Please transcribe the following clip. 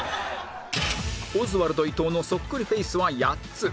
オズワルド伊藤のそっくりフェイスは８つ